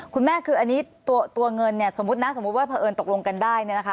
คุณแม่คืออันนี้ตัวเงินเนี่ยสมมุตินะสมมุติว่าเผอิญตกลงกันได้เนี่ยนะคะ